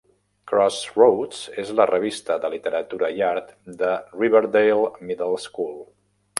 "Crossroads" és la revista de literatura i art de Riverdale Middle School.